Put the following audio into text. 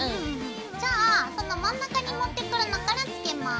じゃあその真ん中に持ってくるのからつけます。